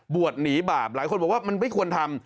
หนีบาปหลายคนบอกว่ามันไม่ควรทำ